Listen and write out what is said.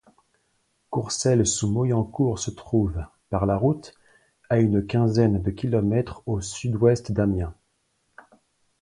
Courcelles-sous-Moyencourt se trouve, par la route, à une quinzaine de kilomètres au sud-ouest d'Amiens.